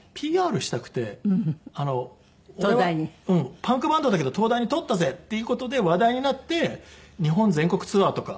パンクバンドだけど東大に通ったぜっていう事で話題になって日本全国ツアーとか。